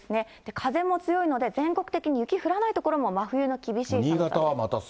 風も強いので、全国的に雪、降らない所も真冬の厳しい寒さです。